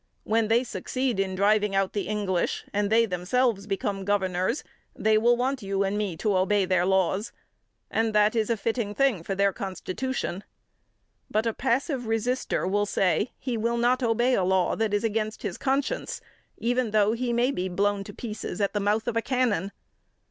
When they succeed in driving out the English, and they themselves become governors, they will want you and me to obey their laws. And that is a fitting thing for their constitution. But a passive resister will say he will not obey a law that is against his conscience, even though he may be blown to pieces at the mouth of a cannon.